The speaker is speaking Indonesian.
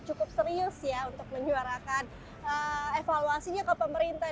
cukup serius ya untuk menyuarakan evaluasinya ke pemerintah